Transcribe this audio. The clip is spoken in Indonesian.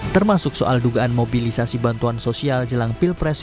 termasuk soal dugaan mobilisasi bantuan sosial jelang pilpres